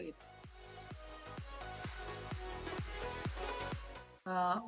bagaimana cara menikmati radio